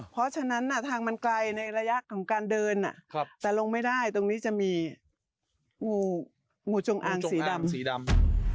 เพราะฉะนั้นทางมันไกลในระยะของการเดินแต่ลงไม่ได้ตรงนี้จะมีงูจงอางสีดำสีดำ